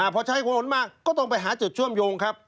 พอใช้ขนมากก็ต้องไปหาจุดเชื่อมโยงครับ